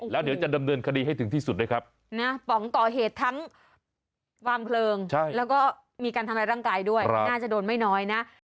แล้วตำรวจเขาก็ช่วยกันจับไปได้กับพวกกระเพลิง